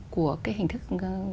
của cái hình thức